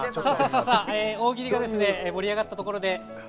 大喜利が盛り上がったところで